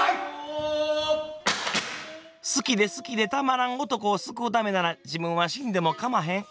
好きで好きでたまらん男を救うためなら自分は死んでもかまへん。